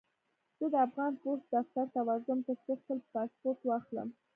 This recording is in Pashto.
زه د افغان پوسټ دفتر ته ورځم، ترڅو خپل پاسپورټ واخلم.